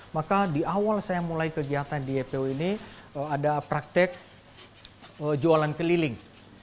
maka di awal saya mulai kegiatan di ypo ini ada praktek jualan keliling